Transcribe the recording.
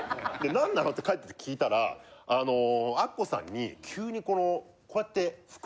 何なの？って帰って聞いたらアッコさんに急にこのこうやって服を。